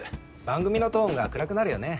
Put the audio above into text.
番組のトーンが暗くなるよね。